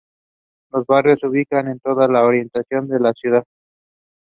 Chang used to write about technology for Wired.